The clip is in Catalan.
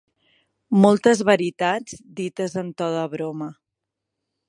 Moltes veritats dites en to de broma.